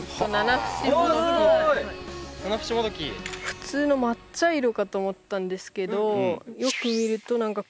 普通の真っ茶色かと思ったんですけどよく見ると何か細かい黒い点々が。